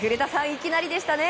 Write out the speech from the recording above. いきなりでしたね。